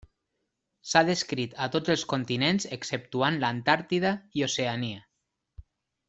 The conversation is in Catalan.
S'ha descrit a tots els continents exceptuant l'Antàrtida i Oceania.